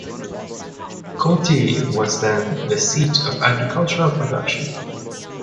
Courtille was then the seat of agricultural production.